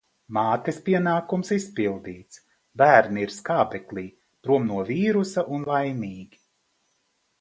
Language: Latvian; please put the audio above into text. Mātes pienākums izpildīts – bērni ir skābeklī, prom no vīrusa un laimīgi.